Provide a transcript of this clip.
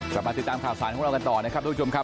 กลับมาติดตามข่าวสารของเรากันต่อนะครับทุกผู้ชมครับ